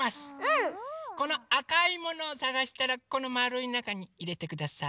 このあかいものをさがしたらこのまるいなかにいれてください。